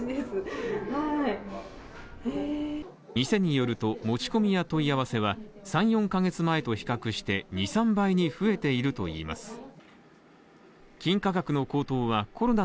店によると持ち込みや問い合わせは三、四ヶ月前と比較して２３倍に増えているといいます。